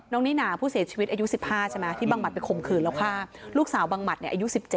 นิน่าผู้เสียชีวิตอายุ๑๕ใช่ไหมที่บังหัดไปข่มขืนแล้วฆ่าลูกสาวบังหมัดเนี่ยอายุ๑๗